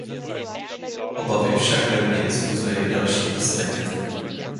Obavy však ve mně vzbuzuje i další aspekt.